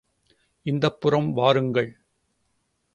இந்தப் புறம் வாருங்கள்.